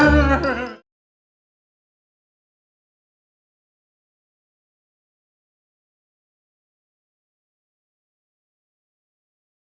aku mau makan